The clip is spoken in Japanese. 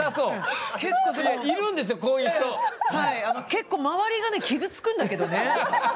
結構周りがね傷つくんだけどね。